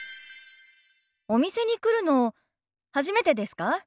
お店に来るの初めてですか？